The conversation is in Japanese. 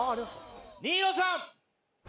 新納さん。